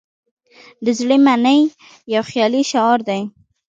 "د زړه منئ" یو خیالي شعار دی.